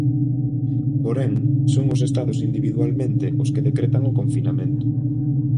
Porén, son os Estados individualmente os que decretan o confinamento.